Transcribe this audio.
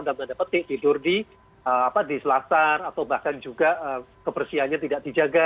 dapatnya petik tidur di selatar atau bahkan juga kebersihannya tidak dijaga